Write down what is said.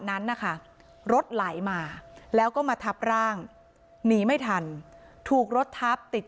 นั้นนะคะรถไหลมาแล้วก็มาทับร่างหนีไม่ทันถูกรถทับติด